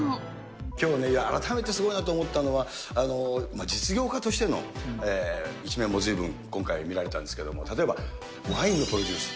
きょう改めてすごいなと思ったのは、実業家としての一面もずいぶん今回見られたんですけれども、例えばワインのプロデュース。